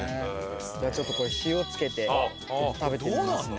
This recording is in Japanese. じゃあちょっとこれ塩つけて食べてみますね。